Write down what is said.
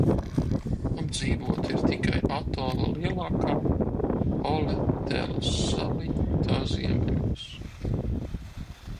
Apdzīvota ir tikai atola lielākā Oletelas saliņa tā ziemeļos.